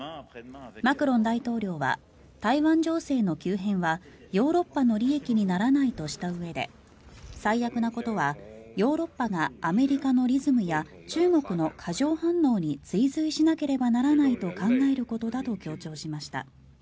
マクロン大統領は台湾情勢の急変はヨーロッパの利益にならないとしたうえで最悪なことはヨーロッパがアメリカのリズムや中国の過剰反応に追随しなければならないと考えることだと強調しました。